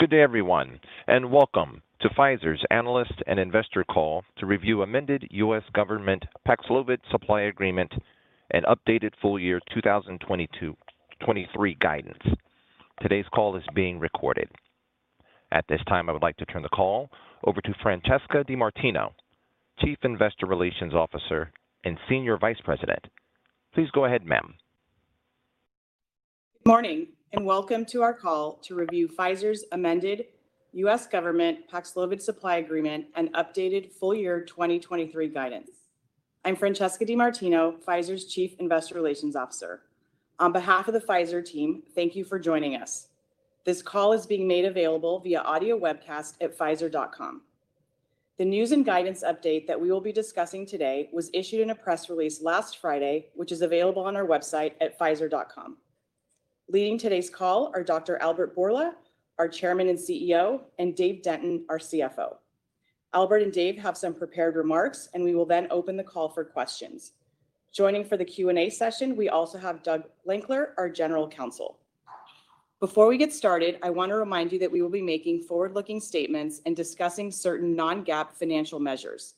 Good day, everyone, and welcome to Pfizer's Analyst and Investor Call to review amended U.S. government Paxlovid supply agreement and updated full-year 2022-2023 guidance. Today's call is being recorded. At this time, I would like to turn the call over to Francesca DeMartino, Chief Investor Relations Officer and Senior Vice President. Please go ahead, ma'am. Good morning, and welcome to our call to review Pfizer's amended U.S. government Paxlovid supply agreement and updated full-year 2023 guidance. I'm Francesca DeMartino, Pfizer's Chief Investor Relations Officer. On behalf of the Pfizer team, thank you for joining us. This call is being made available via audio webcast at pfizer.com. The news and guidance update that we will be discussing today was issued in a press release last Friday, which is available on our website at pfizer.com. Leading today's call are Dr. Albert Bourla, our Chairman and CEO, and Dave Denton, our CFO. Albert and Dave have some prepared remarks, and we will then open the call for questions. Joining for the Q&A session, we also have Doug Lankler, our General Counsel. Before we get started, I wanna remind you that we will be making forward-looking statements and discussing certain non-GAAP financial measures.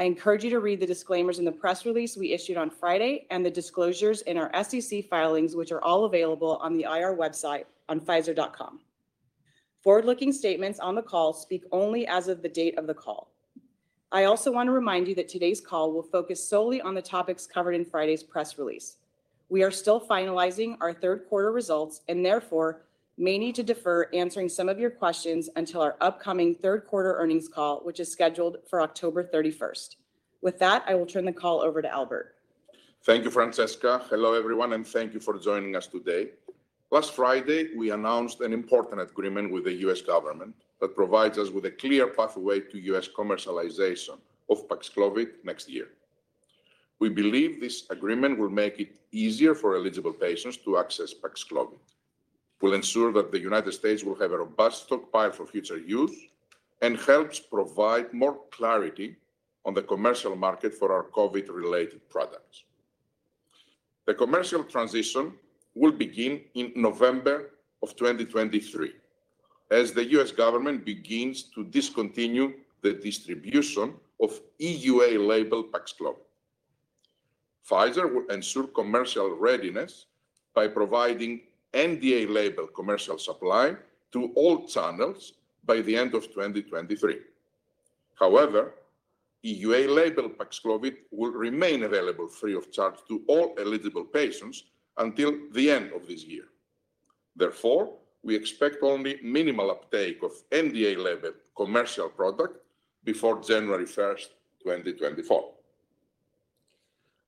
I encourage you to read the disclaimers in the press release we issued on Friday and the disclosures in our SEC filings, which are all available on the IR website on Pfizer.com. Forward-looking statements on the call speak only as of the date of the call. I also wanna remind you that today's call will focus solely on the topics covered in Friday's press release. We are still finalizing our third quarter results and therefore, may need to defer answering some of your questions until our upcoming third quarter earnings call, which is scheduled for October 31. With that, I will turn the call over to Albert. Thank you, Francesca. Hello, everyone, and thank you for joining us today. Last Friday, we announced an important agreement with the U.S. government that provides us with a clear pathway to U.S. commercialization of Paxlovid next year. We believe this agreement will make it easier for eligible patients to access Paxlovid, will ensure that the United States will have a robust stockpile for future use, and helps provide more clarity on the commercial market for our COVID-related products. The commercial transition will begin in November of 2023, as the U.S. government begins to discontinue the distribution of EUA-labeled Paxlovid. Pfizer will ensure commercial readiness by providing NDA-labeled commercial supply to all channels by the end of 2023. However, EUA-labeled Paxlovid will remain available free of charge to all eligible patients until the end of this year. Therefore, we expect only minimal uptake of NDA-labeled commercial product before January 1, 2024.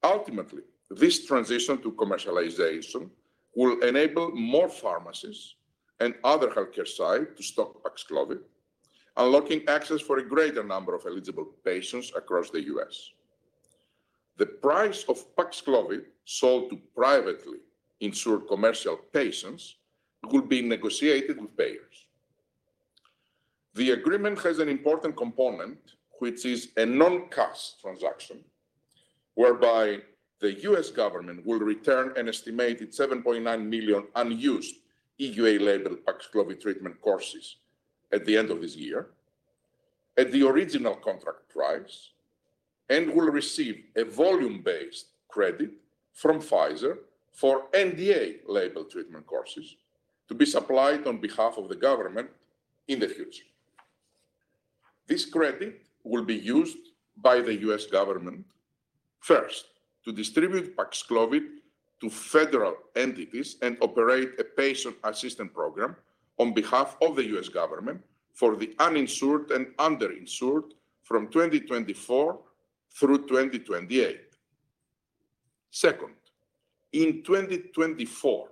Ultimately, this transition to commercialization will enable more pharmacies and other healthcare sites to stock Paxlovid, unlocking access for a greater number of eligible patients across the U.S. The price of Paxlovid sold to privately insured commercial patients will be negotiated with payers. The agreement has an important component, which is a non-cash transaction, whereby the U.S. government will return an estimated 7.9 million unused EUA-labeled Paxlovid treatment courses at the end of this year at the original contract price, and will receive a volume-based credit from Pfizer for NDA label treatment courses to be supplied on behalf of the government in the future. This credit will be used by the U.S. government, first, to distribute Paxlovid to federal entities and operate a patient assistance program on behalf of the U.S. government for the uninsured and underinsured from 2024 through 2028. Second, in 2024,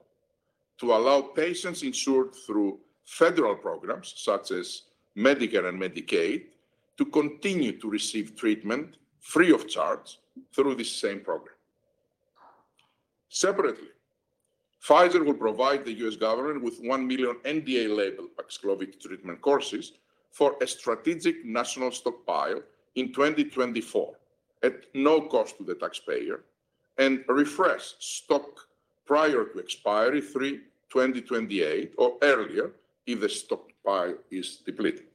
to allow patients insured through federal programs, such as Medicare and Medicaid, to continue to receive treatment free of charge through this same program. Separately, Pfizer will provide the U.S. government with 1 million NDA-labeled Paxlovid treatment courses for a strategic national stockpile in 2024 at no cost to the taxpayer, and refresh stock prior to expiry through 2028 or earlier if the stockpile is depleted.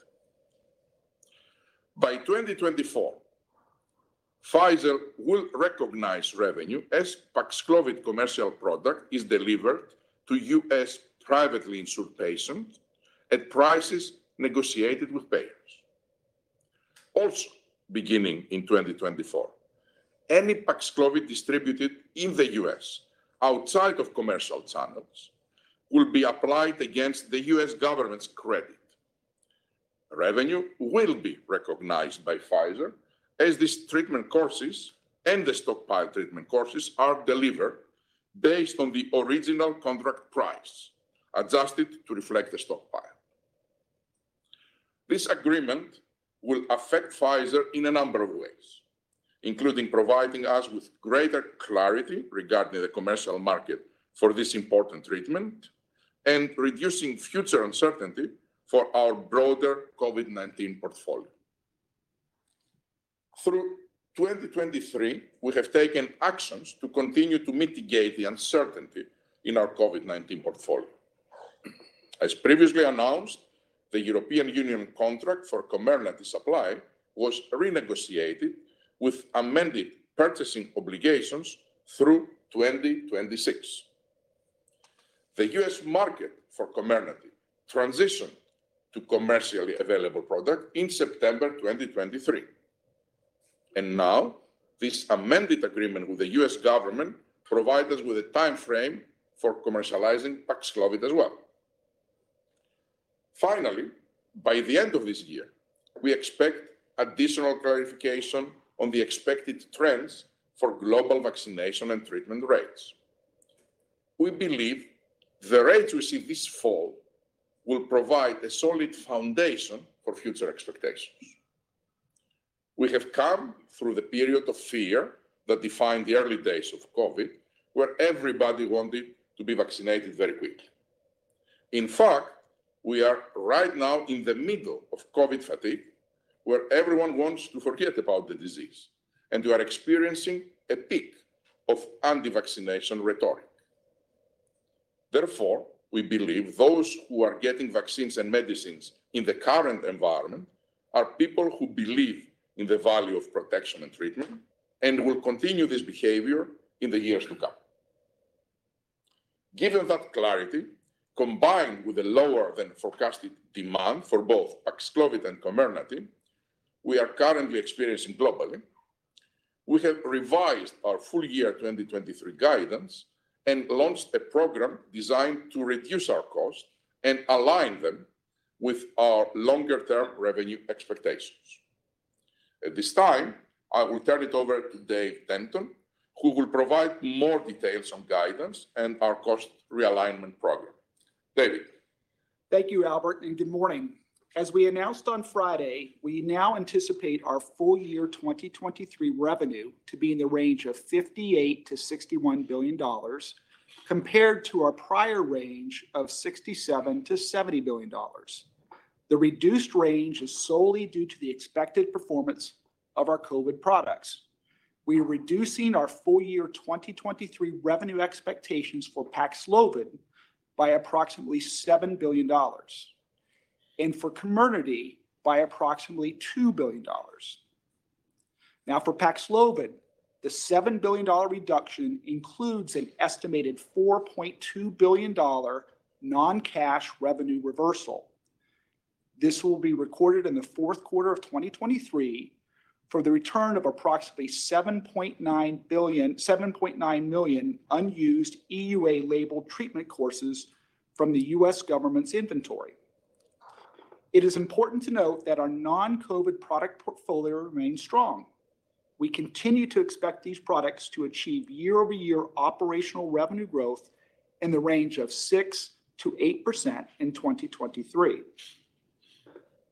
By 2024, Pfizer will recognize revenue as Paxlovid commercial product is delivered to U.S. privately insured patients at prices negotiated with payers. Also, beginning in 2024, any Paxlovid distributed in the U.S. outside of commercial channels will be applied against the U.S. government's credit. Revenue will be recognized by Pfizer as these treatment courses and the stockpile treatment courses are delivered based on the original contract price, adjusted to reflect the stockpile. This agreement will affect Pfizer in a number of ways, including providing us with greater clarity regarding the commercial market for this important treatment and reducing future uncertainty for our broader COVID-19 portfolio. Through 2023, we have taken actions to continue to mitigate the uncertainty in our COVID-19 portfolio. As previously announced, the European Union contract for Comirnaty supply was renegotiated with amended purchasing obligations through 2026. The U.S. market for Comirnaty transitioned to commercially available product in September 2023, and now this amended agreement with the U.S. government provides us with a timeframe for commercializing Paxlovid as well. Finally, by the end of this year, we expect additional clarification on the expected trends for global vaccination and treatment rates. We believe the rates we see this fall will provide a solid foundation for future expectations. We have come through the period of fear that defined the early days of COVID, where everybody wanted to be vaccinated very quick. In fact, we are right now in the middle of COVID fatigue, where everyone wants to forget about the disease, and we are experiencing a peak of anti-vaccination rhetoric. Therefore, we believe those who are getting vaccines and medicines in the current environment are people who believe in the value of protection and treatment, and will continue this behavior in the years to come. Given that clarity, combined with the lower than forecasted demand for both Paxlovid and Comirnaty we are currently experiencing globally, we have revised our full-year 2023 guidance and launched a program designed to reduce our cost and align them with our longer-term revenue expectations. At this time, I will turn it over to Dave Denton, who will provide more details on guidance and our cost realignment program. David? Thank you, Albert, and good morning. As we announced on Friday, we now anticipate our full-year 2023 revenue to be in the range of $58 billion-$61 billion, compared to our prior range of $67 billion-$70 billion. The reduced range is solely due to the expected performance of our COVID products. We are reducing our full-year 2023 revenue expectations for Paxlovid by approximately $7 billion and for Comirnaty by approximately $2 billion. Now, for Paxlovid, the $7 billion reduction includes an estimated $4.2 billion non-cash revenue reversal. This will be recorded in the fourth quarter of 2023 for the return of approximately 7.9 million unused EUA-labeled treatment courses from the U.S. government's inventory. It is important to note that our non-COVID product portfolio remains strong. We continue to expect these products to achieve year-over-year operational revenue growth in the range of 6%-8% in 2023.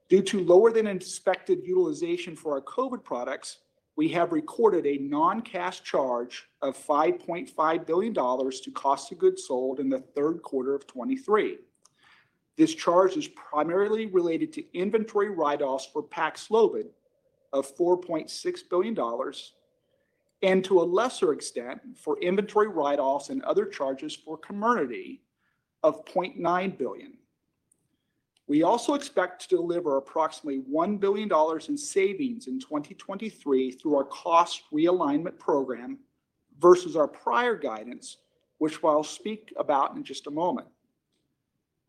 Due to lower than expected utilization for our COVID products, we have recorded a non-cash charge of $5.5 billion to cost of goods sold in the third quarter of 2023. This charge is primarily related to inventory write-offs for Paxlovid of $4.6 billion, and to a lesser extent, for inventory write-offs and other charges for Comirnaty of $0.9 billion. We also expect to deliver approximately $1 billion in savings in 2023 through our cost realignment program versus our prior guidance, which I'll speak about in just a moment.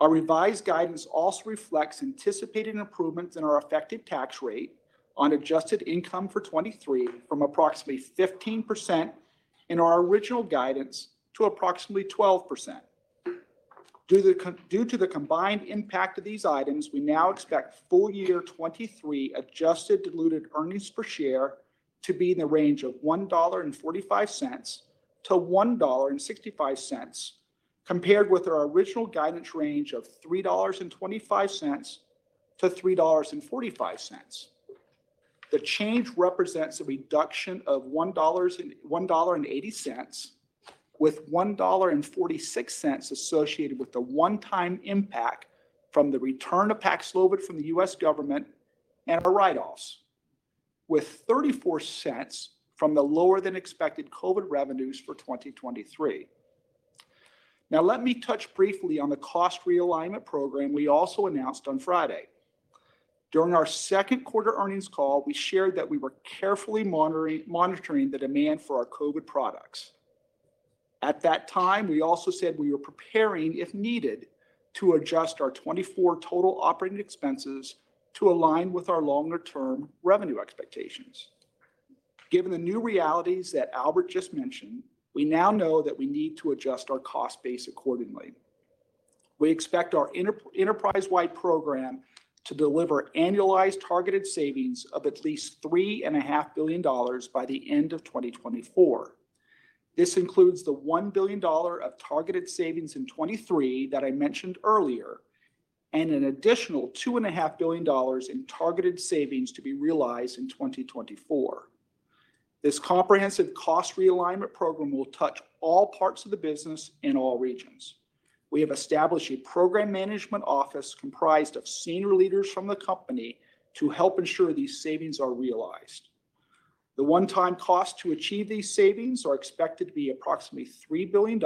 Our revised guidance also reflects anticipated improvements in our effective tax rate on adjusted income for 2023, from approximately 15% in our original guidance to approximately 12%. Due to the combined impact of these items, we now expect full-year 2023 adjusted diluted earnings per share to be in the range of $1.45-$1.65, compared with our original guidance range of $3.25-$3.45. The change represents a reduction of $1.80, with $1.46 associated with the one-time impact from the return of Paxlovid from the U.S. government and our write-offs, with $0.34 from the lower-than-expected COVID revenues for 2023. Now, let me touch briefly on the cost realignment program we also announced on Friday. During our second quarter earnings call, we shared that we were carefully monitoring the demand for our COVID products. At that time, we also said we were preparing, if needed, to adjust our 2024 total operating expenses to align with our longer-term revenue expectations. Given the new realities that Albert just mentioned, we now know that we need to adjust our cost base accordingly. We expect our enterprise-wide program to deliver annualized targeted savings of at least $3.5 billion by the end of 2024. This includes the $1 billion of targeted savings in 2023 that I mentioned earlier, and an additional $2.5 billion in targeted savings to be realized in 2024. This comprehensive cost realignment program will touch all parts of the business in all regions. We have established a program management office comprised of senior leaders from the company to help ensure these savings are realized. The one-time cost to achieve these savings are expected to be approximately $3 billion,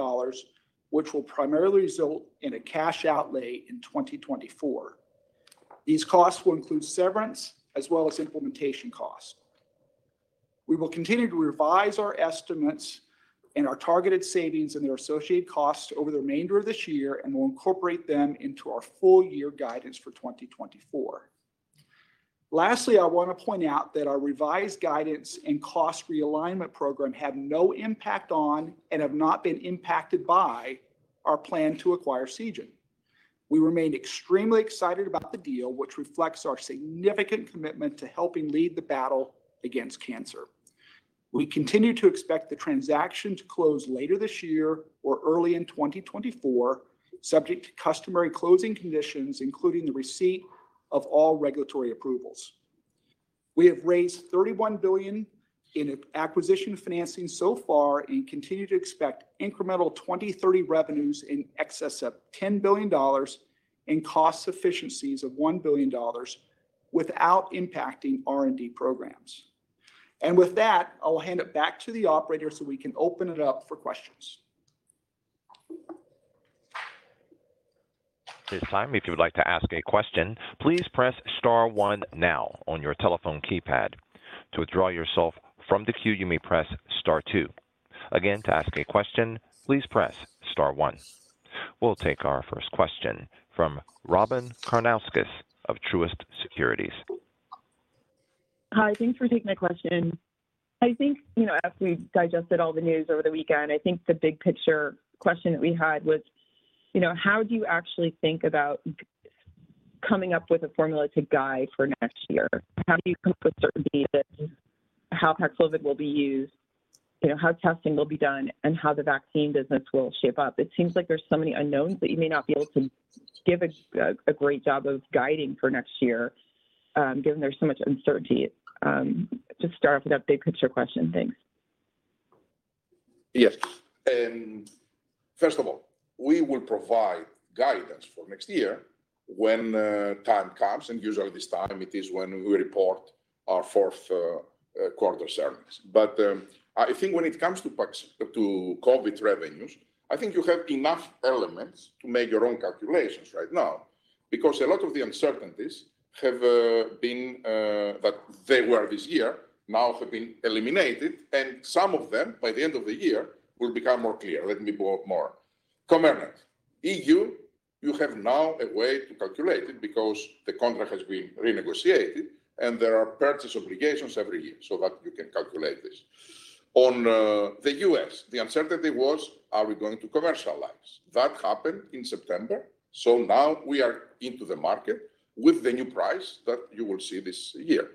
which will primarily result in a cash outlay in 2024. These costs will include severance as well as implementation costs. We will continue to revise our estimates and our targeted savings and their associated costs over the remainder of this year, and we'll incorporate them into our full-year guidance for 2024. Lastly, I want to point out that our revised guidance and cost realignment program have no impact on, and have not been impacted by, our plan to acquire Seagen. We remain extremely excited about the deal, which reflects our significant commitment to helping lead the battle against cancer. We continue to expect the transaction to close later this year or early in 2024, subject to customary closing conditions, including the receipt of all regulatory approvals. We have raised $31 billion in acquisition financing so far and continue to expect incremental 2030 revenues in excess of $10 billion and cost efficiencies of $1 billion without impacting R&D programs. With that, I'll hand it back to the operator, so we can open it up for questions. At this time, if you would like to ask a question, please press star one now on your telephone keypad. To withdraw yourself from the queue, you may press star two. Again, to ask a question, please press star one. We'll take our first question from Robyn Karnauskas of Truist Securities. Hi, thanks for taking my question. I think, you know, as we've digested all the news over the weekend, I think the big-picture question that we had was, you know, how do you actually think about coming up with a formula to guide for next year? How do you come up with certainty that how Paxlovid will be used, you know, how testing will be done, and how the vaccine business will shape up? It seems like there's so many unknowns that you may not be able to give a great job of guiding for next year, given there's so much uncertainty. Just start off with that big-picture question. Thanks. Yes. First of all, we will provide guidance for next year when time comes, and usually this time it is when we report our fourth quarter earnings. But I think when it comes to Pax, to COVID revenues, I think you have enough elements to make your own calculations right now, because a lot of the uncertainties have been that they were this year, now have been eliminated, and some of them, by the end of the year, will become more clear. Let me be more. Comirnaty. E.U., you have now a way to calculate it because the contract has been renegotiated and there are purchase obligations every year, so that you can calculate this. On the U.S., the uncertainty was, are we going to commercialize? That happened in September, so now we are into the market with the new price that you will see this year.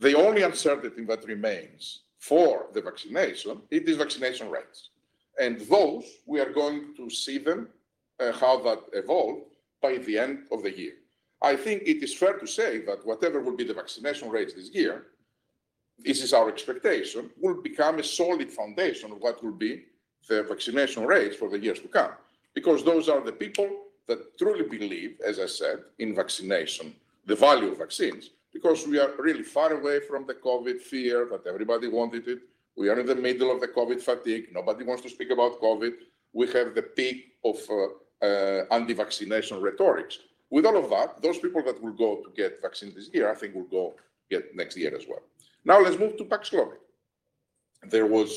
The only uncertainty that remains for the vaccination is the vaccination rates, and those, we are going to see them, how that evolve by the end of the year. I think it is fair to say that whatever will be the vaccination rates this year, this is our expectation, will become a solid foundation of what will be the vaccination rates for the years to come. Because those are the people that truly believe, as I said, in vaccination, the value of vaccines, because we are really far away from the COVID fear, that everybody wanted it. We are in the middle of the COVID fatigue. Nobody wants to speak about COVID. We have the peak of anti-vaccination rhetorics. With all of that, those people that will go to get vaccine this year, I think will go get next year as well. Now, let's move to Paxlovid. There was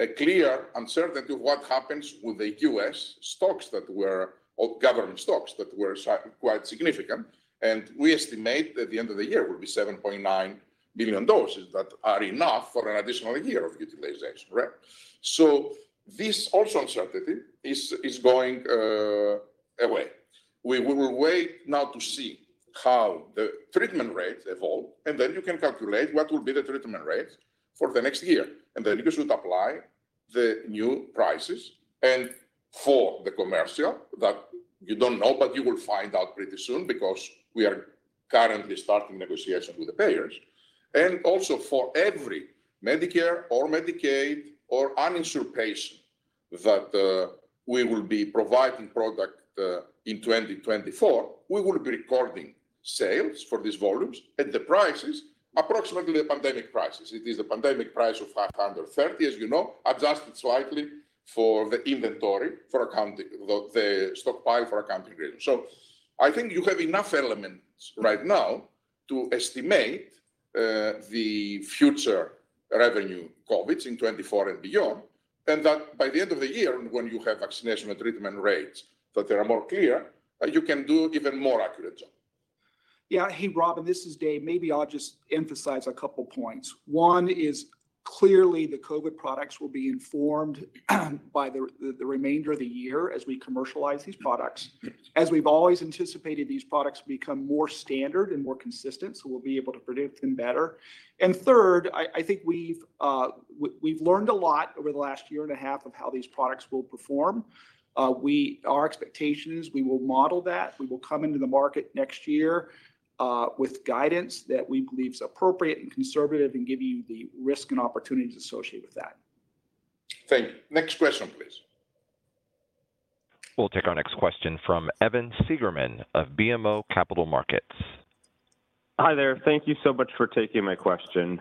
a clear uncertainty of what happens with the U.S. stocks that were, or government stocks that were significantly quite significant, and we estimate that the end of the year will be 7.9 billion doses that are enough for an additional year of utilization, right? So this also uncertainty is going away. We will wait now to see how the treatment rates evolve, and then you can calculate what will be the treatment rates for the next year. And then you should apply the new prices. And for the commercial, that you don't know, but you will find out pretty soon, because we are currently starting negotiations with the payers. And also for every Medicare or Medicaid or uninsured patient that we will be providing product in 2024, we will be recording sales for these volumes at the prices, approximately the pandemic prices. It is a pandemic price of $530, as you know, adjusted slightly for the inventory, for accounting, the stockpile for accounting reasons. So I think you have enough elements right now to estimate the future revenue COVID in 2024 and beyond, and that by the end of the year, when you have vaccination and treatment rates, that they are more clear, you can do even more accurate job. Yeah. Hey, Robyn, this is Dave. Maybe I'll just emphasize a couple points. One is clearly the COVID products will be informed by the remainder of the year as we commercialize these products. As we've always anticipated, these products become more standard and more consistent, so we'll be able to predict them better. And third, I think we've learned a lot over the last year and a half of how these products will perform. Our expectation is we will model that. We will come into the market next year with guidance that we believe is appropriate and conservative and give you the risk and opportunity to associate with that. Thank you. Next question, please. We'll take our next question from Evan Seigerman of BMO Capital Markets. Hi there. Thank you so much for taking my question.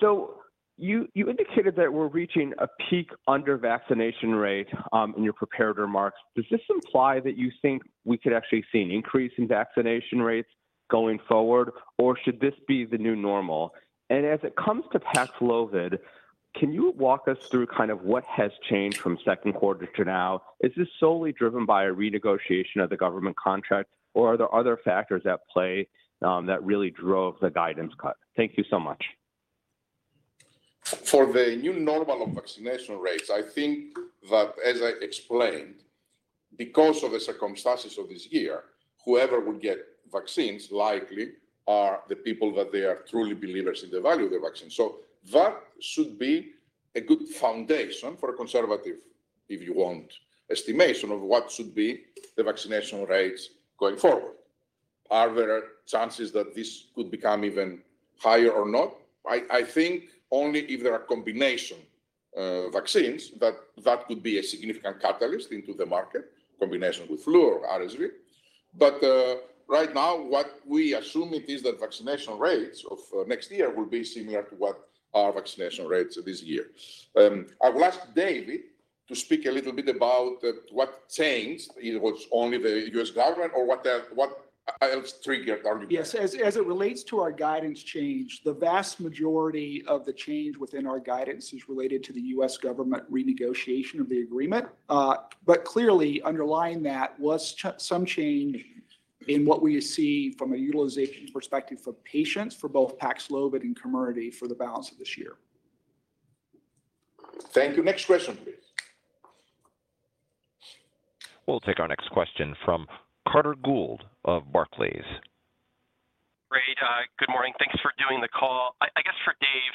So you indicated that we're reaching a peak in vaccination rate in your prepared remarks. Does this imply that you think we could actually see an increase in vaccination rates going forward, or should this be the new normal? And as it comes to Paxlovid, can you walk us through kind of what has changed from second quarter to now? Is this solely driven by a renegotiation of the government contract, or are there other factors at play that really drove the guidance cut? Thank you so much. For the new normal of vaccination rates, I think that, as I explained, because of the circumstances of this year, whoever would get vaccines likely are the people that they are truly believers in the value of the vaccine. So that should be a good foundation for a conservative, if you want, estimation of what should be the vaccination rates going forward. Are there chances that this could become even higher or not? I, I think only if there are combination vaccines, that that could be a significant catalyst into the market, combination with flu or RSV. But right now, what we assume it is that vaccination rates of next year will be similar to what our vaccination rates are this year. I will ask David to speak a little bit about what changed. It was only the U.S. government or what else triggered our? Yes, as it relates to our guidance change, the vast majority of the change within our guidance is related to the U.S. government renegotiation of the agreement. But clearly, underlying that was some change in what we see from a utilization perspective for patients for both Paxlovid and Comirnaty for the balance of this year. Thank you. Next question, please. We'll take our next question from Carter Gould of Barclays. Great. Good morning. Thanks for doing the call. I guess for Dave,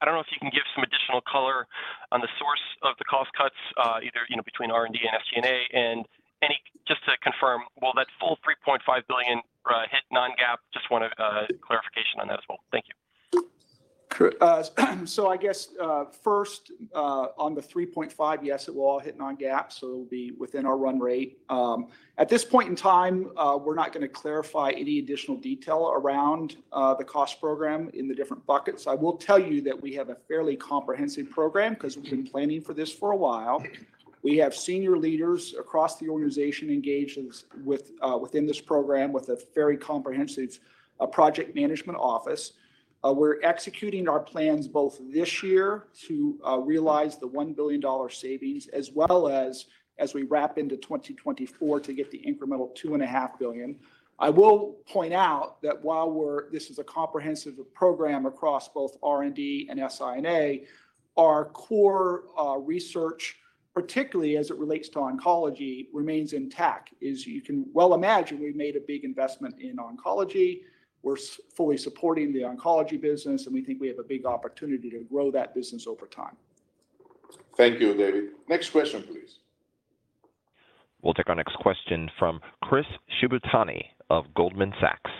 I don't know if you can give some additional color on the source of the cost cuts, either, you know, between R&D and SG&A. Just to confirm, will that full $3.5 billion hit non-GAAP? Just want a clarification on that as well. Thank you. Sure. I guess, first, on the $3.5 billion, yes, it will all hit non-GAAP, so it'll be within our run rate. At this point in time, we're not gonna clarify any additional detail around the cost program in the different buckets. I will tell you that we have a fairly comprehensive program 'cause we've been planning for this for a while. We have senior leaders across the organization engaged in this, with, within this program with a very comprehensive project management office. We're executing our plans both this year to realize the $1 billion savings, as well as, as we wrap into 2024 to get the incremental $2.5 billion. I will point out that while we're this is a comprehensive program across both R&D and SI&A, our core research, particularly as it relates to oncology, remains intact. As you can well imagine, we've made a big investment in oncology. We're fully supporting the oncology business, and we think we have a big opportunity to grow that business over time. Thank you, David. Next question, please. We'll take our next question from Chris Shibutani of Goldman Sachs.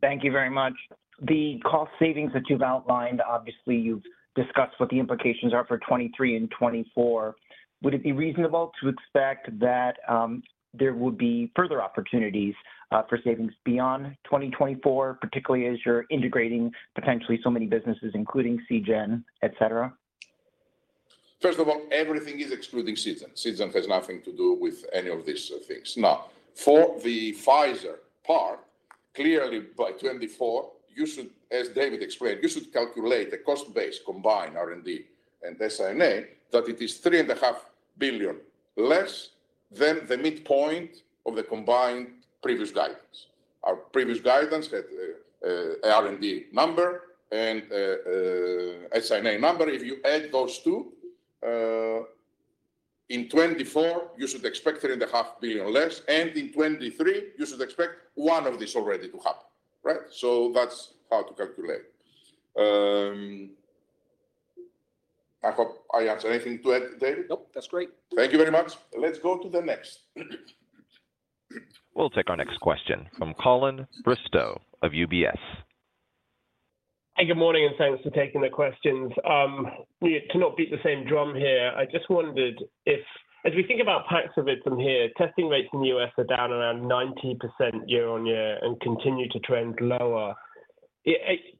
Thank you very much. The cost savings that you've outlined, obviously, you've discussed what the implications are for 2023 and 2024. Would it be reasonable to expect that there would be further opportunities for savings beyond 2024, particularly as you're integrating potentially so many businesses, including Seagen, et cetera? First of all, everything is excluding Seagen. Seagen has nothing to do with any of these things. Now, for the Pfizer part, clearly by 2024, you should, as David explained, you should calculate the cost base, combined R&D and SI&A, that it is $3.5 billion, less than the midpoint of the combined previous guidance. Our previous guidance had R&D number and a SI&A number. If you add those two, in 2024, you should expect $3.5 billion less, and in 2023, you should expect one of these already to happen, right? So that's how to calculate. I hope I answered. Anything to add, David? Nope, that's great. Thank you very much. Let's go to the next. We'll take our next question from Colin Bristow of UBS. Hey, good morning, and thanks for taking the questions. To not beat the same drum here, I just wondered if, as we think about Paxlovid from here, testing rates in the U.S. are down around 90% year-on-year and continue to trend lower.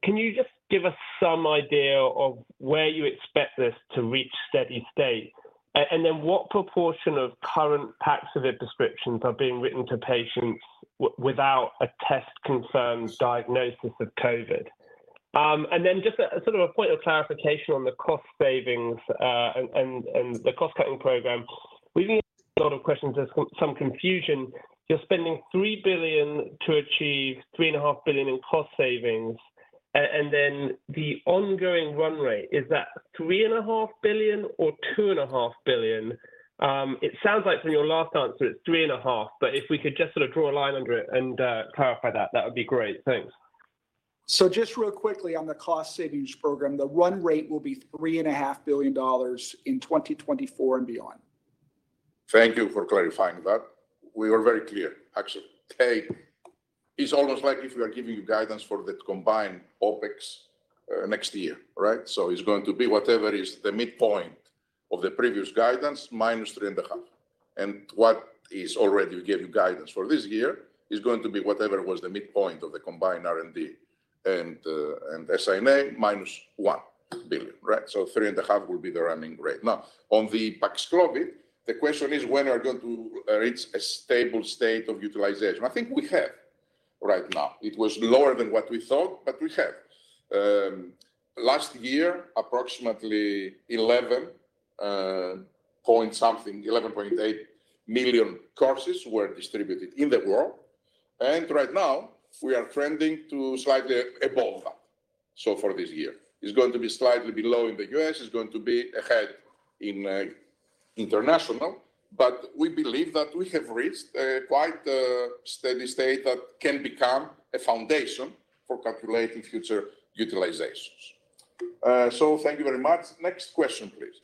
Can you just give us some idea of where you expect this to reach steady state? And then what proportion of current Paxlovid prescriptions are being written to patients without a test-confirmed diagnosis of COVID? And then just a sort of a point of clarification on the cost savings and the cost-cutting program. We've been a lot of questions. There's some confusion. You're spending $3 billion to achieve $3.5 billion in cost savings. And then the ongoing run rate, is that $3.5 billion or $2.5 billion? It sounds like from your last answer, it's $3.5 billion, but if we could just sort of draw a line under it and clarify that, that would be great. Thanks. Just real quickly on the cost savings program, the run rate will be $3.5 billion in 2024 and beyond. Thank you for clarifying that. We were very clear, actually. It's almost like if we are giving you guidance for the combined OpEx, next year, right? So it's going to be whatever is the midpoint of the previous guidance, minus $3.5 billion. And what is already we gave you guidance for this year, is going to be whatever was the midpoint of the combined R&D and, and SI&A, minus $1 billion, right? So $3.5 billion will be the running rate. Now, on the Paxlovid, the question is, when are we going to reach a stable state of utilization? I think we have right now. It was lower than what we thought, but we have. Last year, approximately 11.8 million courses were distributed in the world, and right now we are trending to slightly above that, so for this year. It's going to be slightly below in the U.S., it's going to be ahead in international, but we believe that we have reached a quite steady state that can become a foundation for calculating future utilizations. So thank you very much. Next question, please.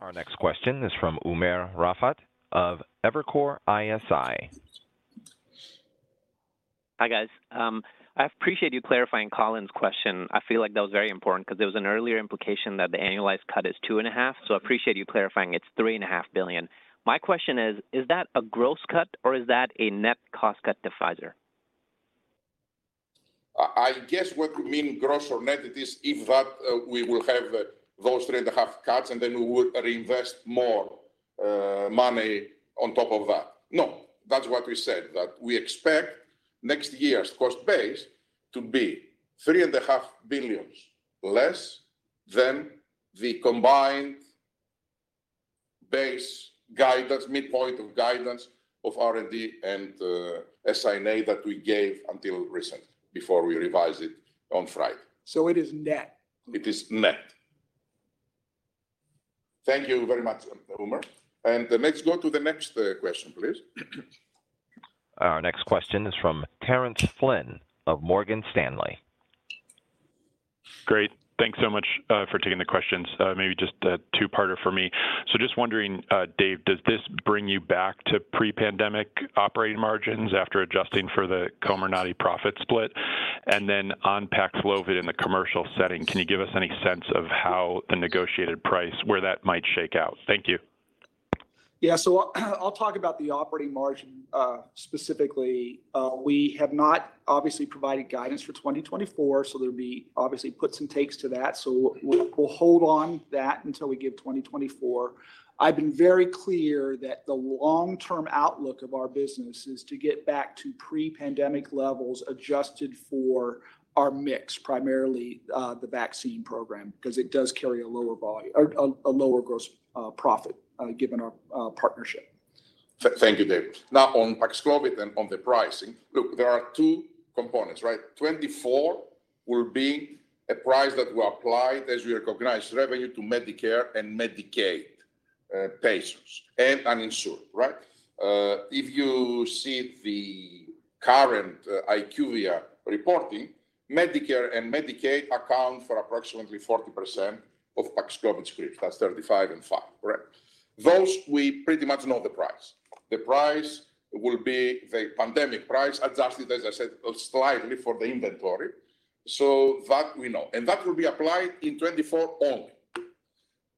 Our next question is from Umer Raffat of Evercore ISI. Hi, guys. I appreciate you clarifying Colin's question. I feel like that was very important because there was an earlier implication that the annualized cut is $2.5 billion, so I appreciate you clarifying it's $3.5 billion. My question is, is that a gross cut or is that a net cost cut to Pfizer? I guess what you mean, gross or net, it is if that, we will have those 3.5 cuts, and then we would reinvest more money on top of that. No, that's what we said, that we expect next year's cost base to be $3.5 billion less than the combined base guidance, midpoint of guidance of R&D and SI&A that we gave until recently, before we revised it on Friday. So it is net? It is now. Thank you very much, Umer. Let's go to the next question, please. Our next question is from Terence Flynn of Morgan Stanley. Great. Thanks so much for taking the questions. Maybe just a two-parter for me. So just wondering, Dave, does this bring you back to pre-pandemic operating margins after adjusting for the Comirnaty profit split? And then on Paxlovid in the commercial setting, can you give us any sense of how the negotiated price, where that might shake out? Thank you. Yeah, so I'll talk about the operating margin specifically. We have not obviously provided guidance for 2024, so there'll be obviously puts and takes to that. So we'll hold on that until we give 2024. I've been very clear that the long-term outlook of our business is to get back to pre-pandemic levels, adjusted for our mix, primarily the vaccine program, 'cause it does carry a lower volume or a lower gross profit given our partnership. Thank you, Dave. Now on Paxlovid and on the pricing, look, there are two components, right? 2024 will be a price that we apply as we recognize revenue to Medicare and Medicaid, patients and uninsured, right? If you see the current, IQVIA reporting, Medicare and Medicaid account for approximately 40% of Paxlovid scripts. That's 35 and five, correct. Those, we pretty much know the price. The price will be the pandemic price, adjusted, as I said, slightly for the inventory. So that we know. And that will be applied in 2024 only.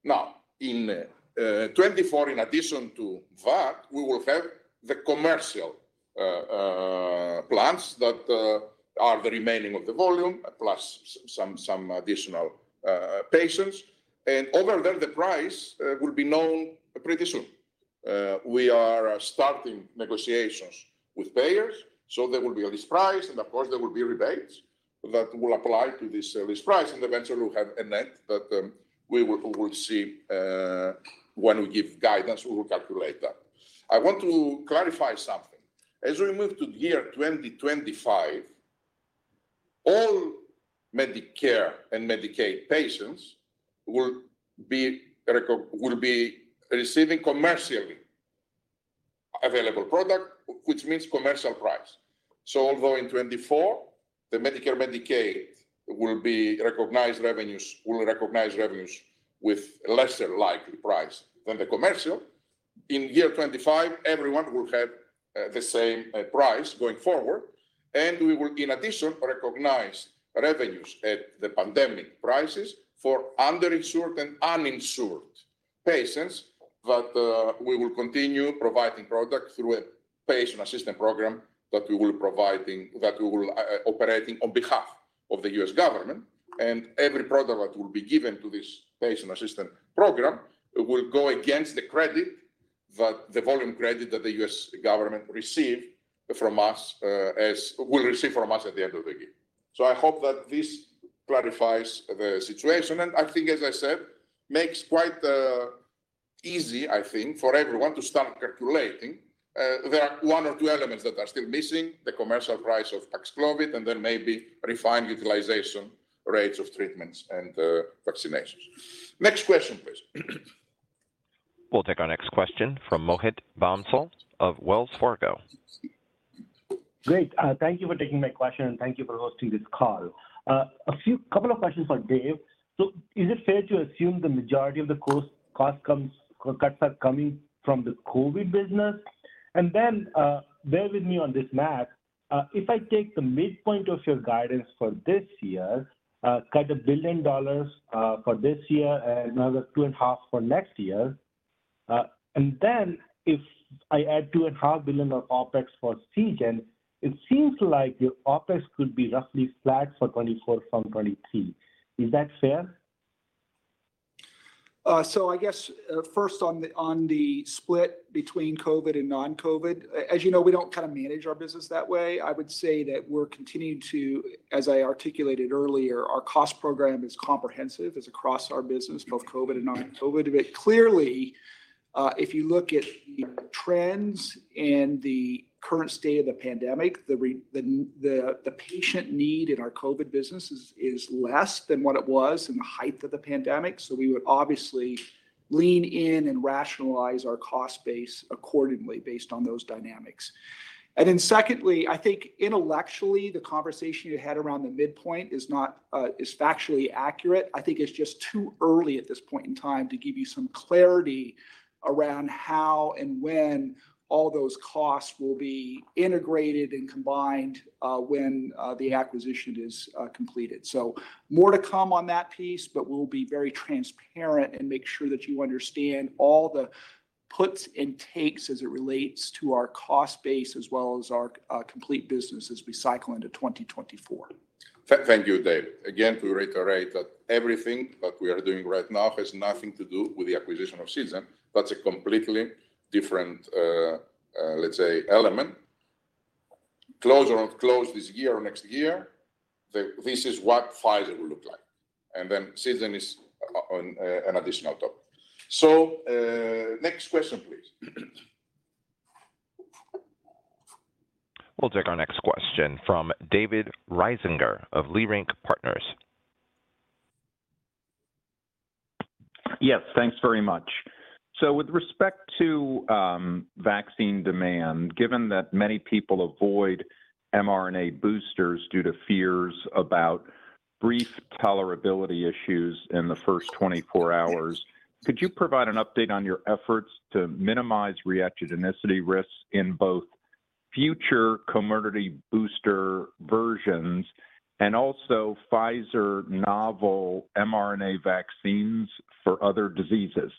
Now, in 2024, in addition to that, we will have the commercial plans that are the remaining of the volume, plus some additional patients. And over there, the price will be known pretty soon. We are starting negotiations with payers, so there will be a list price, and of course, there will be rebates that will apply to this list price, and eventually, we'll have a net that we will see when we give guidance, we will calculate that. I want to clarify something. As we move to the year 2025, all Medicare and Medicaid patients will be receiving commercially available product, which means commercial price. So although in 2024, the Medicare and Medicaid will recognize revenues with lesser likely price than the commercial, in year 2025, everyone will have the same price going forward. We will, in addition, recognize revenues at the pandemic prices for underinsured and uninsured patients, but we will continue providing product through a patient assistance program that we will be providing and operating on behalf of the U.S. government. Every product that will be given to this patient assistance program will go against the volume credit that the U.S. government will receive from us at the end of the year. So I hope that this clarifies the situation, and I think, as I said, makes quite easy, I think, for everyone to start calculating. There are one or two elements that are still missing, the commercial price of Paxlovid, and then maybe refined utilization rates of treatments and vaccinations. Next question, please. We'll take our next question from Mohit Bansal of Wells Fargo. Great. Thank you for taking my question, and thank you for hosting this call. A couple of questions for Dave. So is it fair to assume the majority of the cost cuts are coming from the COVID business? And then, bear with me on this math. If I take the midpoint of your guidance for this year, cut $1 billion for this year and another $2.5 billion for next year, and then if I add $2.5 billion of OpEx for Seagen, it seems like your OpEx could be roughly flat for 2024 from 2023. Is that fair? So I guess first on the split between COVID and non-COVID, as you know, we don't kinda manage our business that way. I would say that we're continuing to, as I articulated earlier, our cost program is comprehensive. It's across our business, both COVID and non-COVID. But clearly, if you look at the trends and the current state of the pandemic, the patient need in our COVID business is less than what it was in the height of the pandemic. So we would obviously lean in and rationalize our cost base accordingly based on those dynamics. And then secondly, I think intellectually, the conversation you had around the midpoint is not is factually accurate. I think it's just too early at this point in time to give you some clarity around how and when all those costs will be integrated and combined, when the acquisition is completed. So more to come on that piece, but we'll be very transparent and make sure that you understand all the puts and takes as it relates to our cost base, as well as our complete business as we cycle into 2024. Thank you, Dave. Again, to reiterate that everything that we are doing right now has nothing to do with the acquisition of Seagen. That's a completely different, let's say, element. Close or not close this year or next year, this is what Pfizer will look like, and then Seagen is on an additional topic. So, next question, please. We'll take our next question from David Risinger of Leerink Partners. Yes, thanks very much. So with respect to vaccine demand, given that many people avoid mRNA boosters due to fears about brief tolerability issues in the first 24 hours, could you provide an update on your efforts to minimize reactogenicity risks in both future Comirnaty booster versions and also Pfizer novel mRNA vaccines for other diseases?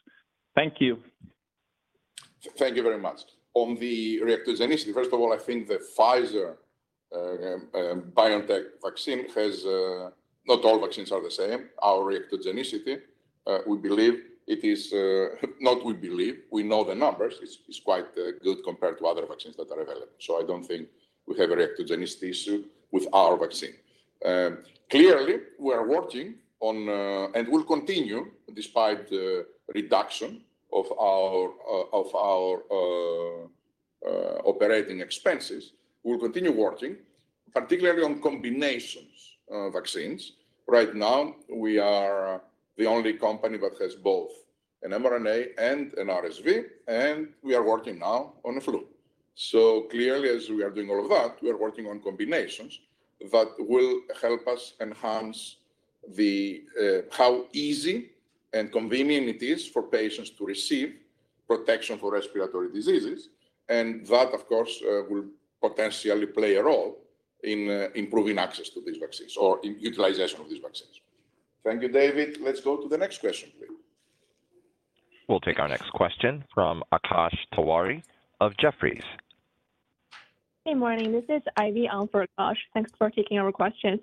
Thank you. Thank you very much. On the reactogenicity, first of all, I think the Pfizer BioNTech vaccine has. Not all vaccines are the same. Our reactogenicity, we believe it is, not we believe, we know the numbers. It's quite good compared to other vaccines that are available, so I don't think we have a reactogenicity issue with our vaccine. Clearly, we are working on and will continue, despite the reduction of our operating expenses, we'll continue working, particularly on combinations of vaccines. Right now, we are the only company that has both an mRNA and an RSV, and we are working now on the flu. So clearly, as we are doing all of that, we are working on combinations that will help us enhance the how easy and convenient it is for patients to receive protection for respiratory diseases. And that, of course, will potentially play a role in improving access to these vaccines or in utilization of these vaccines. Thank you, David. Let's go to the next question, please. We'll take our next question from Akash Tewari of Jefferies. Hey, morning, this is Ivy on for Akash. Thanks for taking our questions.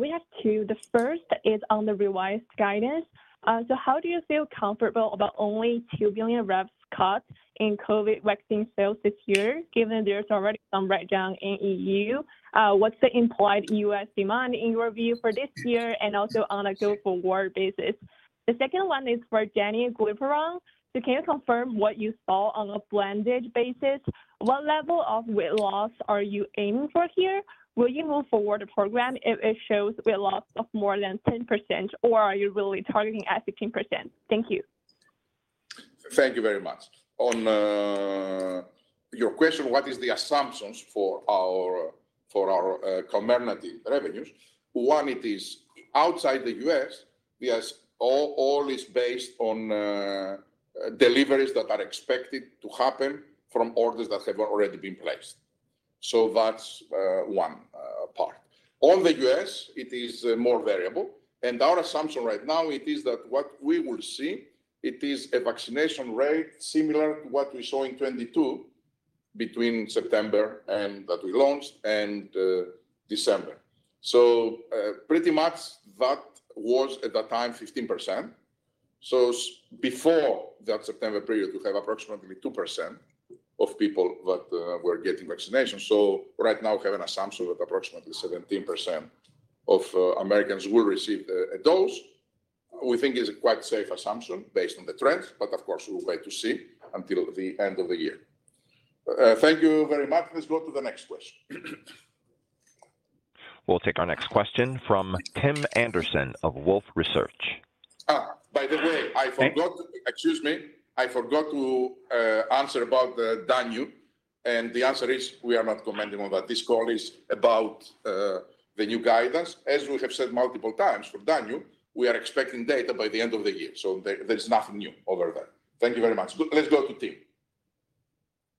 We have two. The first is on the revised guidance. So how do you feel comfortable about only $2 billion revs cut in COVID vaccine sales this year, given there's already some write-down in E.U.? What's the implied U.S. demand in your view for this year and also on a go-forward basis? The second one is for Danuglipron. So can you confirm what you saw on a blended basis? What level of weight loss are you aiming for here? Will you move forward a program if it shows weight loss of more than 10%, or are you really targeting at 15%? Thank you. Thank you very much. On your question, what is the assumptions for our Comirnaty revenues? One, it is outside the U.S., because all is based on deliveries that are expected to happen from orders that have already been placed. So that's one part. On the U.S., it is more variable, and our assumption right now it is that what we will see, it is a vaccination rate similar to what we saw in 2022 between September and that we launched and December. So pretty much that was, at that time, 15%. So before that September period, we have approximately 2% of people that were getting vaccinations. So right now, we have an assumption that approximately 17% of Americans will receive a dose. We think it's a quite safe assumption based on the trends, but of course, we will wait to see until the end of the year. Thank you very much. Let's go to the next question. We'll take our next question from Tim Anderson of Wolfe Research. Ah, by the way I forgot. Excuse me. I forgot to answer about the Danu, and the answer is: we are not commenting on that. This call is about the new guidance. As we have said multiple times, for Danu, we are expecting data by the end of the year, so there, there's nothing new over there. Thank you very much. Let's go to Tim.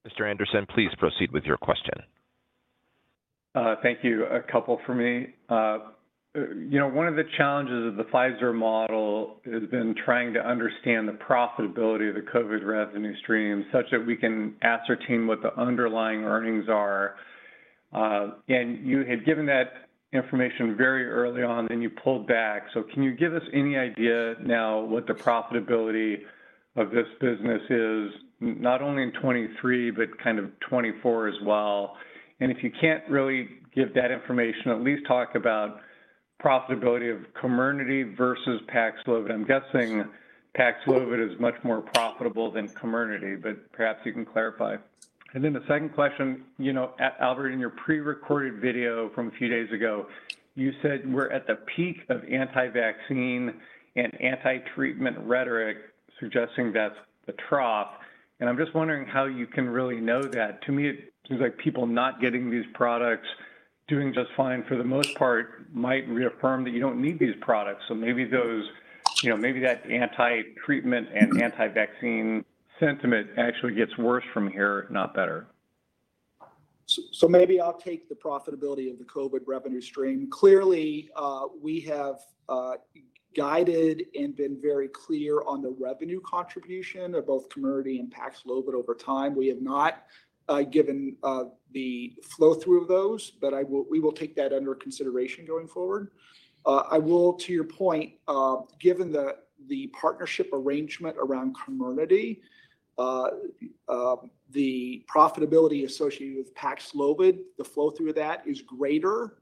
Mr. Anderson, please proceed with your question. Thank you. A couple for me. You know, one of the challenges of the Pfizer model has been trying to understand the profitability of the COVID revenue stream, such that we can ascertain what the underlying earnings are. And you had given that information very early on, then you pulled back. So can you give us any idea now what the profitability of this business is, not only in 2023, but kind of 2024 as well? And if you can't really give that information, at least talk about profitability of Comirnaty versus Paxlovid. I'm guessing Paxlovid is much more profitable than Comirnaty, but perhaps you can clarify. And then the second question, you know, Albert, in your prerecorded video from a few days ago, you said we're at the peak of anti-vaccine and anti-treatment rhetoric, suggesting that's the trough. I'm just wondering how you can really know that. To me, it seems like people not getting these products, doing just fine for the most part, might reaffirm that you don't need these products. Maybe those, you know, maybe that anti-treatment and anti-vaccine sentiment actually gets worse from here, not better. So maybe I'll take the profitability of the COVID revenue stream. Clearly, we have guided and been very clear on the revenue contribution of both Comirnaty and Paxlovid over time. We have not given the flow-through of those, but I will, we will take that under consideration going forward. I will, to your point, given the partnership arrangement around Comirnaty, the profitability associated with Paxlovid, the flow-through of that is greater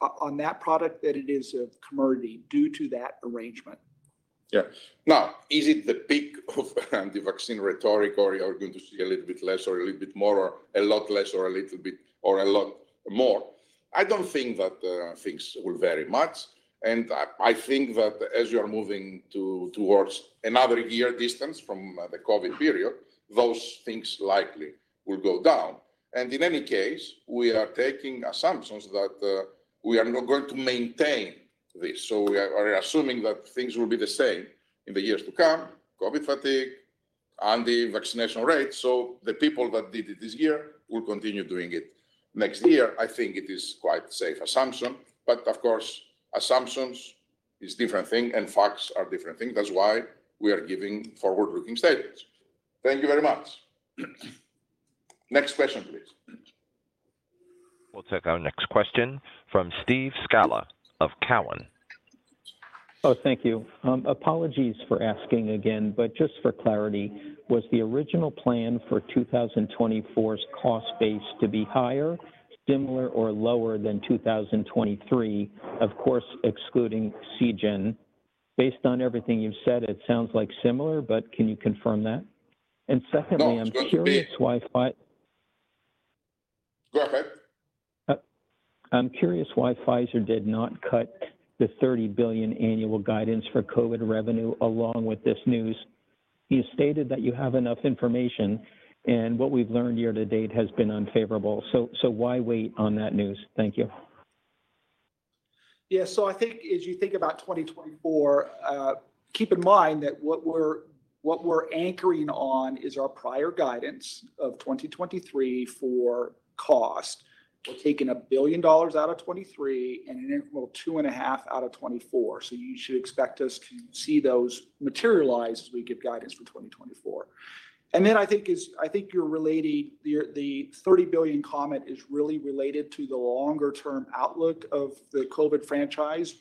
on that product than it is of Comirnaty due to that arrangement. Yes. Now, is it the peak of the vaccine rhetoric, or are we going to see a little bit less or a little bit more, or a lot less, or a little bit, or a lot more? I don't think that things will vary much, and I think that as you are moving towards another year distance from the COVID period, those things likely will go down. And in any case, we are taking assumptions that we are not going to maintain this. So we are assuming that things will be the same in the years to come, COVID fatigue and the vaccination rate. So the people that did it this year will continue doing it next year. I think it is quite safe assumption, but of course, assumptions is different thing, and facts are different thing. That's why we are giving forward-looking statements. Thank you very much. Next question, please. We'll take our next question from Steve Scala of Cowen. Oh, thank you. Apologies for asking again, but just for clarity, was the original plan for 2024's cost base to be higher, similar, or lower than 2023, of course, excluding Seagen? Based on everything you've said, it sounds like similar, but can you confirm that? And secondly, No, so the, I'm curious why Fi, Go ahead. I'm curious why Pfizer did not cut the $30 billion annual guidance for COVID revenue along with this news. You stated that you have enough information, and what we've learned year to date has been unfavorable, so why wait on that news? Thank you. Yeah, so I think as you think about 2024, keep in mind that what we're anchoring on is our prior guidance of 2023 for cost. We're taking $1 billion out of 2023 and an additional $2.5 billion out of 2024. So you should expect us to see those materialized as we give guidance for 2024. And then I think it's I think you're relating the $30 billion comment is really related to the longer-term outlook of the COVID franchise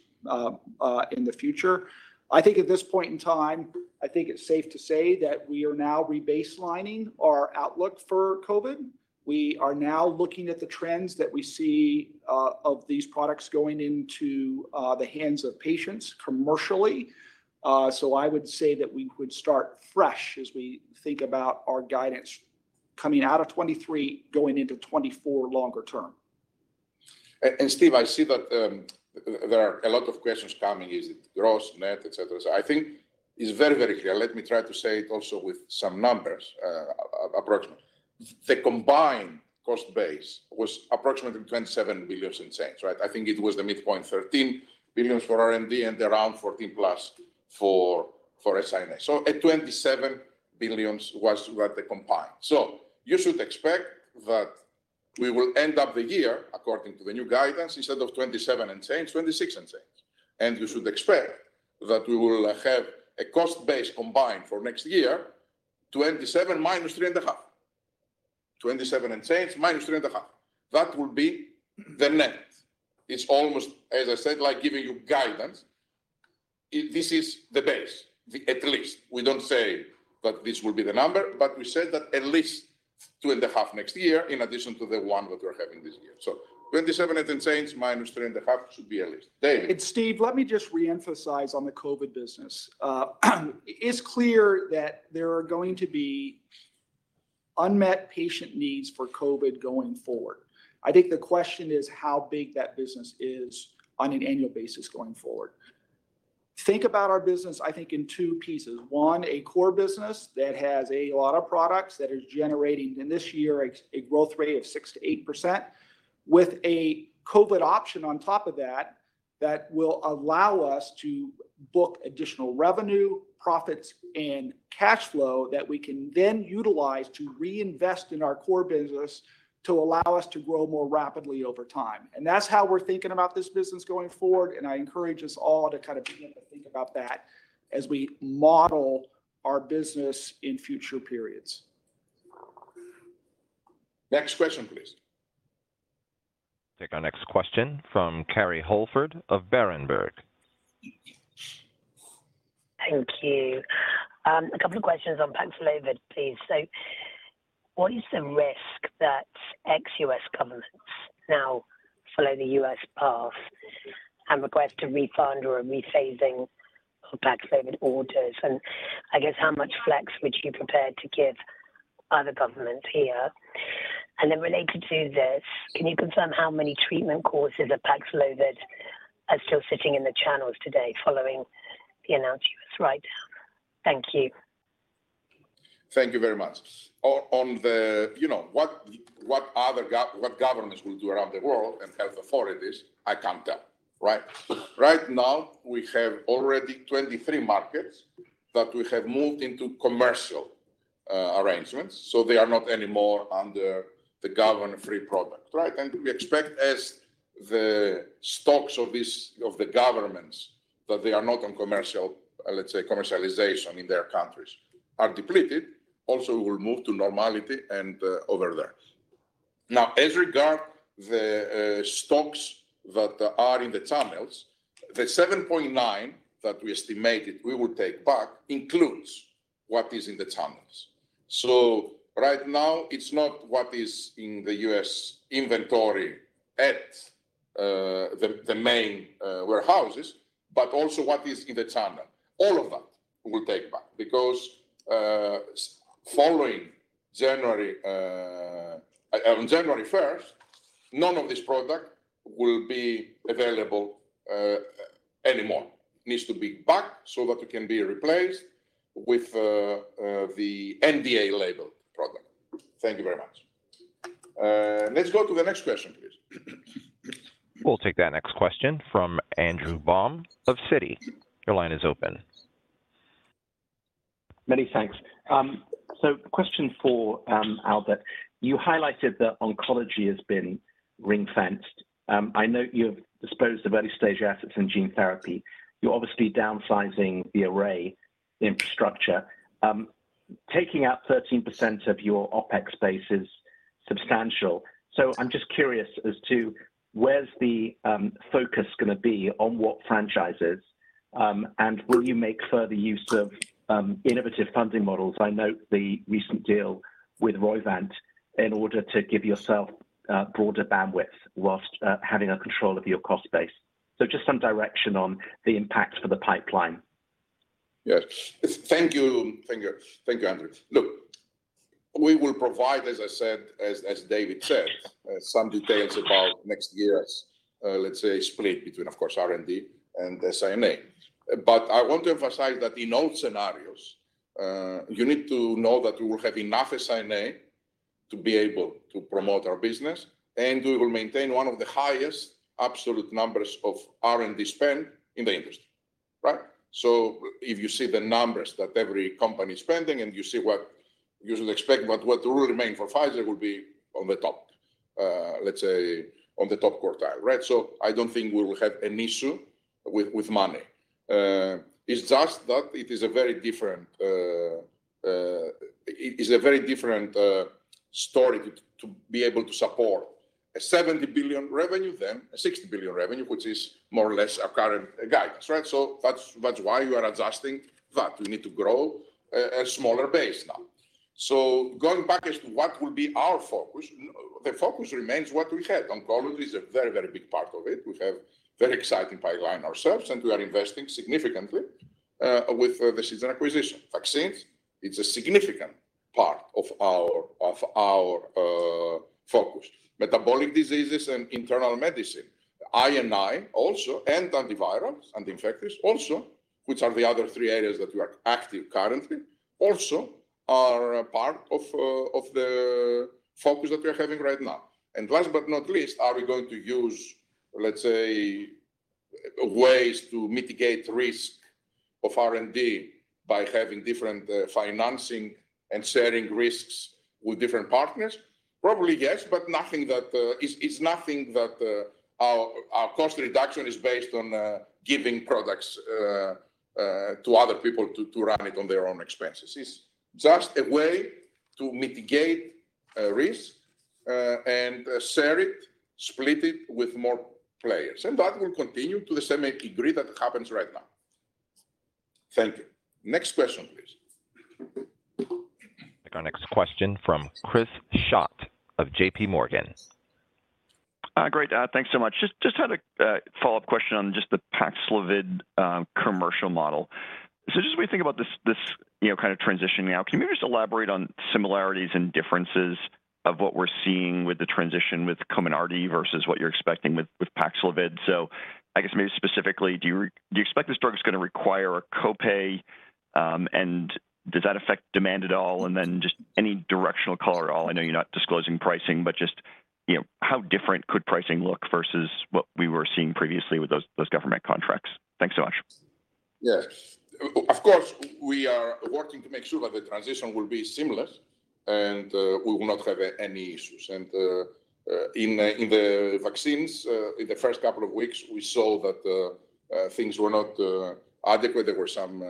in the future. I think at this point in time, I think it's safe to say that we are now rebaselining our outlook for COVID. We are now looking at the trends that we see of these products going into the hands of patients commercially. I would say that we would start fresh as we think about our guidance coming out of 2023, going into 2024, longer term. And Steve, I see that, there are a lot of questions coming: is it gross, net, et cetera. So I think it's very, very clear. Let me try to say it also with some numbers, approximate. The combined cost base was approximately $27 billion in sense, right? I think it was the midpoint, $13 billion for R&D and around +$14 billion for, for S&A. So at $27 billion was, were the combined. So you should expect that we will end up the year, according to the new guidance, instead of $27 billion and change, $26 billion and change. And you should expect that we will have a cost base combined for next year, $27 billion minus $3.5 billion. $27 billion and change, minus $3.5 billion. That would be the net. It's almost, as I said, like giving you guidance. It- this is the base, the at least. We don't say that this will be the number, but we said that at least 2.5 next year, in addition to the one that we're having this year. So $27.10, minus $3.50 should be at least. David? And Steve, let me just reemphasize on the COVID business. It's clear that there are going to be unmet patient needs for COVID going forward. I think the question is how big that business is on an annual basis going forward. Think about our business, I think, in two pieces: one, a core business that has a lot of products that is generating, in this year, a growth rate of 6%-8%, with a COVID option on top of that will allow us to book additional revenue, profits, and cash flow that we can then utilize to reinvest in our core business to allow us to grow more rapidly over time. And that's how we're thinking about this business going forward, and I tencourage us all to kind of begin to think about that as we model our business in future periods. Next question, please. Take our next question from Kerry Holford of Berenberg. Thank you. A couple of questions on Paxlovid, please. What is the risk that ex-U.S. governments now follow the U.S. path and request a refund or a rephasing of Paxlovid orders? And I guess, how much flex would you be prepared to give other governments here? And then related to this, can you confirm how many treatment courses of Paxlovid are still sitting in the channels today following the announced U.S. writedown? Thank you. Thank you very much. On the, you know, what other governments will do around the world and health authorities, I can't tell. Right? Right now, we have already 23 markets that we have moved into commercial arrangements, so they are not anymore under the government-free product, right? And we expect as the stocks of this, of the governments, that they are not on commercial, let's say, commercialization in their countries, are depleted, also will move to normality and over there. Now, as regard the stocks that are in the channels, the $7.9 that we estimated we would take back includes what is in the channels. So right now, it's not what is in the U.S. inventory at the main warehouses, but also what is in the channel. All of that we'll take back, because, following January, on January first, none of this product will be available, anymore. It needs to be back so that it can be replaced with, the NDA label product. Thank you very much. Let's go to the next question, please. We'll take that next question from Andrew Baum of Citi. Your line is open. Many thanks. So question for, Albert. You highlighted that oncology has been ring-fenced. I note you've disposed of early-stage assets in gene therapy. You're obviously downsizing the R&D infrastructure. Taking out 13% of your OpEx base is substantial. So I'm just curious as to where's the focus gonna be on what franchises, and will you make further use of innovative funding models? I note the recent deal with Roivant in order to give yourself broader bandwidth while having a control of your cost base. So just some direction on the impact for the pipeline. Yes. Thank you. Thank you, Andrew. Look, we will provide, as I said, as, as David said, some details about next year's, let's say, split between, of course, R&D and the SNA. But I want to emphasize that in all scenarios, you need to know that we will have enough SNA to be able to promote our business, and we will maintain one of the highest absolute numbers of R&D spend in the industry, right? So if you see the numbers that every company is spending, and you see what you should expect, but what will remain for Pfizer will be on the top, let's say, on the top quartile, right? So I don't think we will have an issue with, with money. It's just that it is a very different, It is a very different story to be able to support a $70 billion revenue than a $60 billion revenue, which is more or less our current guidance, right? So that's why you are adjusting that. We need to grow a smaller base now. So going back as to what will be our focus, the focus remains what we had. Oncology is a very, very big part of it. We have very exciting pipeline ourselves, and we are investing significantly with the Seagen acquisition. Vaccines, it's a significant part of our focus. Metabolic diseases and internal medicine, I&I also, and antivirals anti-infectives also, which are the other three areas that we are active currently, also are a part of the focus that we are having right now. And last but not least, are we going to use, let's say, ways to mitigate risk of R&D by having different, financing and sharing risks with different partners? Probably, yes, but nothing that... It's, it's nothing that, our, our cost reduction is based on, giving products, to other people to, to run it on their own expenses. It's just a way to mitigate, risk, and, share it, split it with more players, and that will continue to the same degree that happens right now. Thank you. Next question, please. Take our next question from Chris Schott of JPMorgan. Great. Thanks so much. Just had a follow-up question on the Paxlovid commercial model. So just as we think about this, you know, kind of transitioning now, can you just elaborate on similarities and differences of what we're seeing with the transition with Comirnaty versus what you're expecting with Paxlovid? So I guess maybe specifically, do you expect this drug is gonna require a copay, and does that affect demand at all? And then just any directional color at all. I know you're not disclosing pricing, but just, you know, how different could pricing look versus what we were seeing previously with those government contracts? Thanks so much. Yes. Of course, we are working to make sure that the transition will be seamless, and we will not have any issues. In the vaccines, in the first couple of weeks, we saw that the things were not adequate. There were some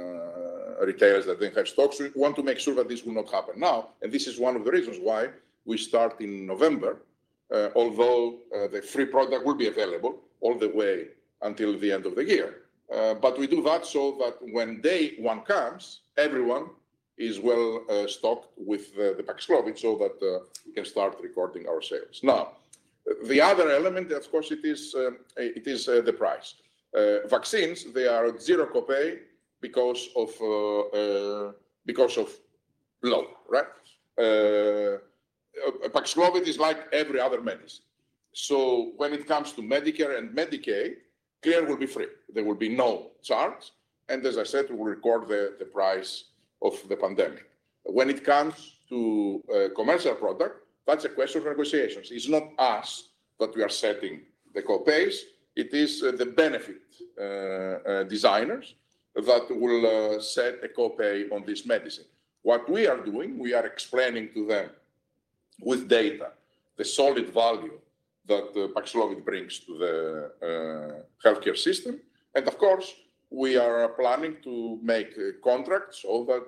retailers that didn't have stocks. We want to make sure that this will not happen now, and this is one of the reasons why we start in November, although the free product will be available all the way until the end of the year. But we do that so that when day one comes, everyone is well stocked with the Paxlovid, so that we can start recording our sales. Now, the other element, of course, it is the price. Vaccines, they are zero copay because of, because of law, right? Paxlovid is like every other medicine. So when it comes to Medicare and Medicaid, care will be free. There will be no charge, and as I said, we will record the price of the pandemic. When it comes to a commercial product, that's a question of negotiations. It's not us, that we are setting the copays. It is the benefit designers that will set a copay on this medicine. What we are doing, we are explaining to them with data, the solid value that the Paxlovid brings to the healthcare system. And of course, we are planning to make contracts so that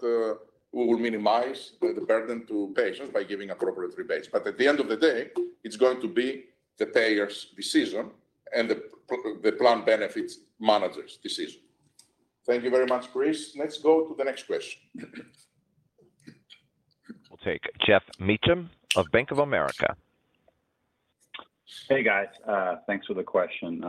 we will minimize the burden to patients by giving appropriate rebates. But at the end of the day, it's going to be the payer's decision and the plan benefits manager's decision. Thank you very much, Chris. Let's go to the next question. We'll take Geoff Meacham of Bank of America. Hey, guys. Thanks for the question.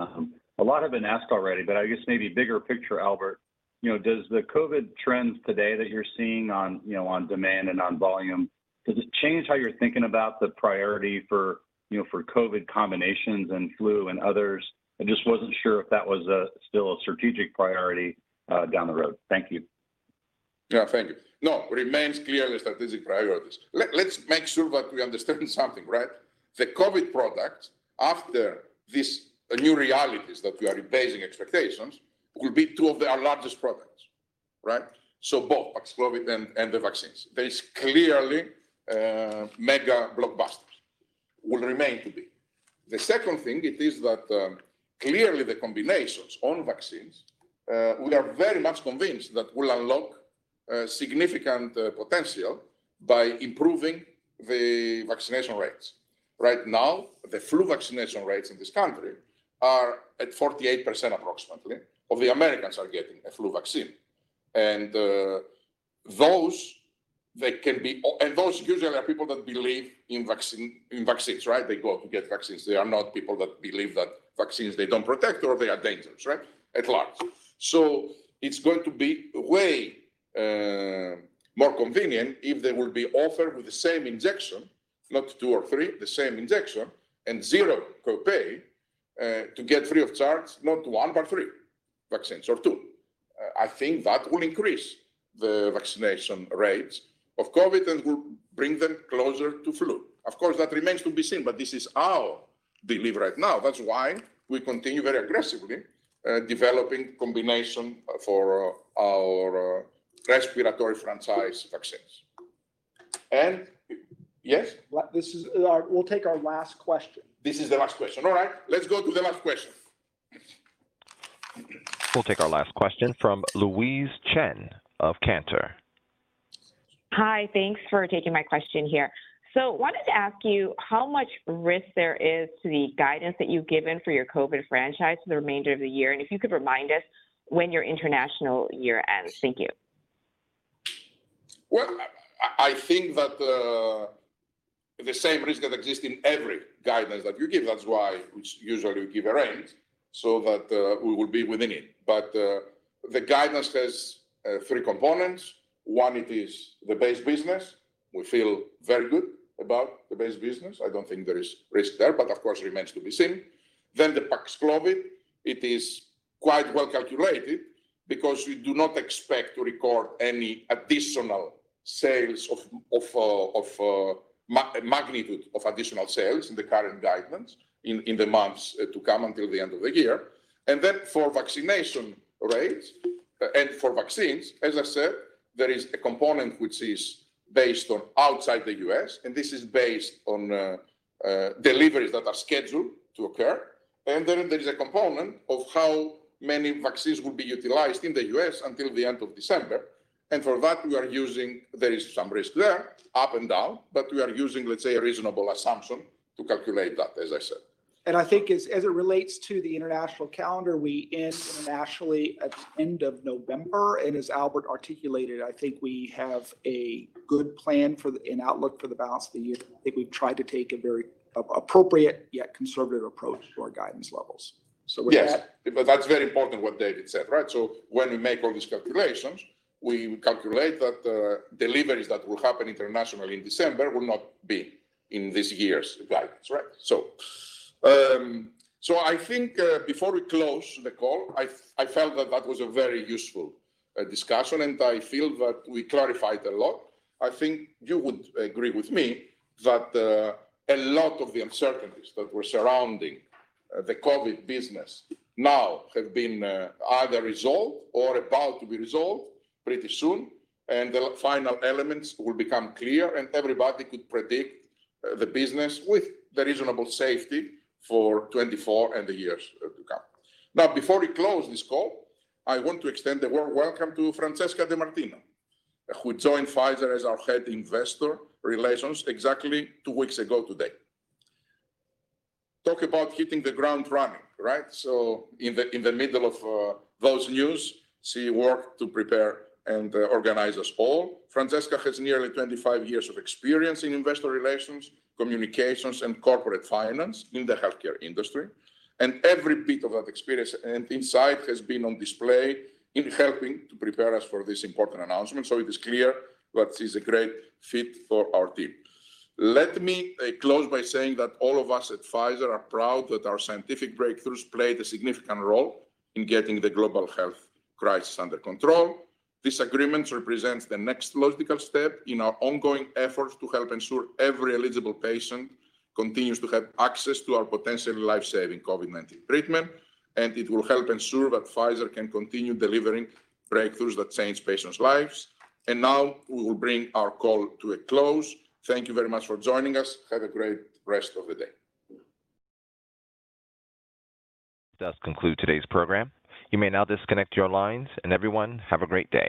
A lot have been asked already, but I guess maybe bigger picture, Albert, you know, does the COVID trends today that you're seeing on, you know, on demand and on volume, does it change how you're thinking about the priority for, you know, for COVID combinations and flu and others? I just wasn't sure if that was still a strategic priority down the road. Thank you. Yeah. Thank you. No, it remains clearly strategic priorities. Let's make sure that we understand something, right? The COVID product, after this new realities that we are replacing expectations, will be two of our largest products, right? So both Paxlovid and the vaccines. There is clearly mega blockbusters, will remain to be. The second thing is that clearly the combinations on vaccines we are very much convinced that will unlock significant potential by improving the vaccination rates. Right now, the flu vaccination rates in this country are at 48%, approximately, of the Americans are getting a flu vaccine. And those usually are people that believe in vaccines, right? They go to get vaccines. They are not people that believe that vaccines, they don't protect or they are dangerous, right? At large. So it's going to be way more convenient if they will be offered with the same injection, not two or three, the same injection, and zero copay to get free of charge, not one, but three vaccines or two. I think that will increase the vaccination rates of COVID, and will bring them closer to flu. Of course, that remains to be seen, but this is our belief right now. That's why we continue very aggressively developing combination for our respiratory franchise vaccines. And yes? Well, we'll take our last question. This is the last question. All right, let's go to the last question. We'll take our last question from Louise Chen of Cantor. Hi, thanks for taking my question here. So wanted to ask you how much risk there is to the guidance that you've given for your COVID franchise for the remainder of the year, and if you could remind us when your international year ends. Thank you. Well, I think that the same risk that exists in every guidance that you give, that's why we usually give a range, so that we will be within it. But the guidance has three components. One, it is the base business. We feel very good about the base business. I don't think there is risk there, but of course, it remains to be seen. Then the Paxlovid, it is quite well calculated because we do not expect to record any additional sales of magnitude of additional sales in the current guidance in the months to come until the end of the year. And then for vaccination rates and for vaccines, as I said, there is a component which is based on outside the U.S., and this is based on deliveries that are scheduled to occur. Then there is a component of how many vaccines will be utilized in the U.S. until the end of December. For that, we are using. There is some risk there, up and down, but we are using, let's say, a reasonable assumption to calculate that, as I said. And I think as it relates to the international calendar, we end internationally at the end of November. And as Albert articulated, I think we have a good plan and outlook for the balance of the year. I think we've tried to take a very appropriate, yet conservative approach to our guidance levels. So with that, Yes, but that's very important, what David said, right? So when we make all these calculations, we calculate that, deliveries that will happen internationally in December will not be in this year's guidance, right? So, so I think, before we close the call, I, I felt that that was a very useful, discussion, and I feel that we clarified a lot. I think you would agree with me that, a lot of the uncertainties that were surrounding, the COVID business now have been, either resolved or about to be resolved pretty soon, and the final elements will become clear, and everybody could predict, the business with the reasonable safety for 2024 and the years, to come. Now, before we close this call, I want to extend a warm welcome to Francesca DeMartino, who joined Pfizer as our Head Investor Relations exactly two weeks ago today. Talk about hitting the ground running, right? In the middle of those news, she worked to prepare and organize us all. Francesca has nearly 25 years of experience in investor relations, communications, and corporate finance in the healthcare industry, and every bit of that experience and insight has been on display in helping to prepare us for this important announcement, so it is clear that she's a great fit for our team. Let me close by saying that all of us at Pfizer are proud that our scientific breakthroughs played a significant role in getting the global health crisis under control. This agreement represents the next logical step in our ongoing efforts to help ensure every eligible patient continues to have access to our potentially life-saving COVID-19 treatment, and it will help ensure that Pfizer can continue delivering breakthroughs that change patients' lives. Now, we will bring our call to a close. Thank you very much for joining us. Have a great rest of the day. This does conclude today's program. You may now disconnect your lines, and everyone, have a great day.